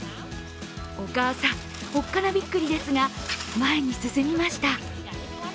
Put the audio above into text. お母さん、おっかなびっくりですが前に進みました。